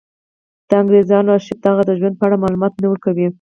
د انګرېزانو ارشیف د هغه د ژوند په اړه معلومات نه ورکوي.